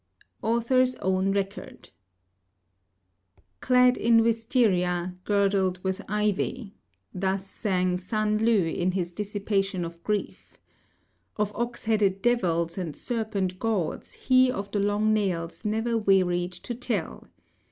AUTHOR'S OWN RECORD. "'Clad in wistaria, girdled with ivy;' thus sang San lü in his Dissipation of Grief. Of ox headed devils and serpent Gods, he of the long nails never wearied to tell.